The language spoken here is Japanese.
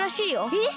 えっ？